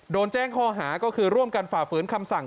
โดนแจ้งข้อหาก็คือร่วมกันฝ่าฝืนคำสั่ง